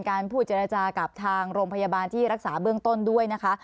พูดเจรจากับทางโรงพยาบาลที่รักษาเบื้องต้นด้วยนะคะ